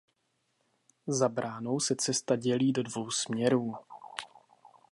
Za bránou se cesta dělí do dvou směrů.